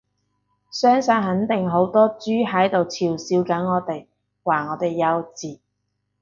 相信肯定好多豬喺度嘲笑緊我哋，話我哋幼稚